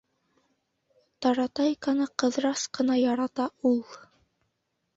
Таратайканы Ҡыҙырас ҡына ярата ул.